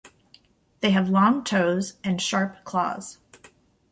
They have long toes and sharp claws.